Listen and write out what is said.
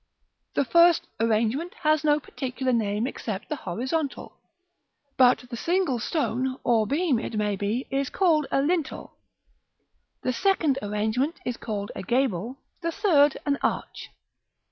The first arrangement has no particular name, except the "horizontal:" but the single stone (or beam, it may be,) is called a lintel; the second arrangement is called a "Gable;" the third an "Arch."